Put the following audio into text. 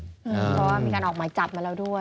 ก็มีการออกหมายจับมาแล้วด้วย